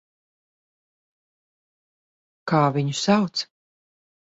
Kā viņu sauc?